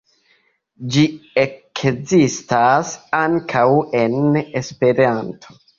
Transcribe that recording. Ĝi ekzistas ankaŭ en Esperanto.